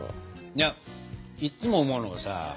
いやいっつも思うのがさ